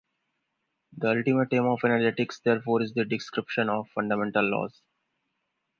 The ultimate aim of energetics therefore is the description of fundamental laws.